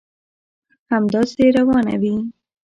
همداسي روانه وي.